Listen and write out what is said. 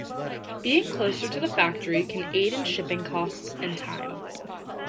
Being closer to the factory can aid in shipping costs and time.